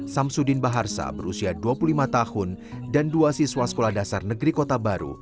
samsudin baharsa berusia dua puluh lima tahun dan dua siswa sekolah dasar negeri kota baru